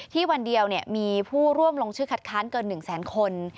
วันเดียวมีผู้ร่วมลงชื่อคัดค้านเกิน๑แสนคน